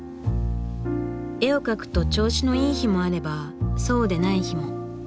絵を描くと調子のいい日もあればそうでない日も。